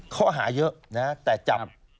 ข้อหาเยอะนะแต่จับ